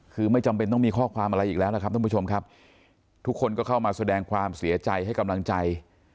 คือไม่จำเป็นต้องมีข้อความอะไรอีกแล้วล่ะครับท่านผู้ชมครับทุกคนก็เข้ามาแสดงความเสียใจให้กำลังใจ